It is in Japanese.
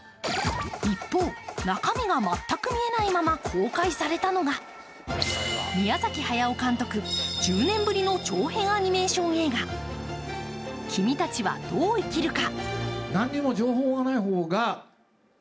一方、中身が全く見えないまま公開されたのが宮崎駿監督、１０年ぶりの長編アニメーション映画、「君たちはどう生きるか」。